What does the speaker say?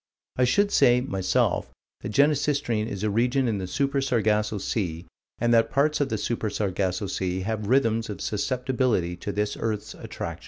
I should say, myself, that Genesistrine is a region in the Super Sargasso Sea, and that parts of the Super Sargasso Sea have rhythms of susceptibility to this earth's attraction.